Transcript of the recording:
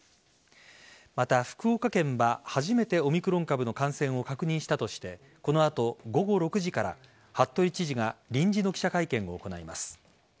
また、福岡県は初めてオミクロン株の感染を確認したとしてこの後、午後６時から服部知事が臨時の記者会見を行います。